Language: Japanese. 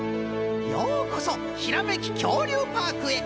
ようこそひらめききょうりゅうパークへ。